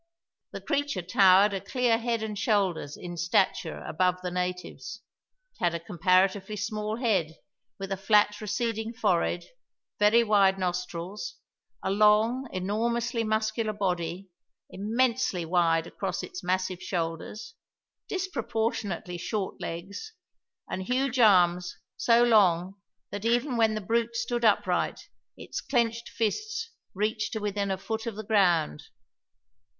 The creature towered a clear head and shoulders in stature above the natives; it had a comparatively small head with a flat receding forehead, very wide nostrils, a long, enormously muscular body, immensely wide across its massive shoulders, disproportionately short legs, and huge arms so long that even when the brute stood upright its clenched fists reached to within a foot of the ground.